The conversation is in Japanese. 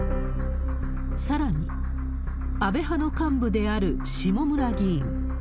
さらに、安倍派の幹部である下村議員。